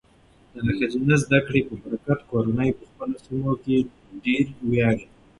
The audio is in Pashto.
د ښځینه زده کړې په برکت، کورنۍ په خپلو سیمو ډیر ویاړي.